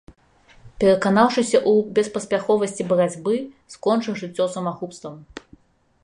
Пераканаўшыся ў беспаспяховасці барацьбы, скончыў жыццё самагубствам.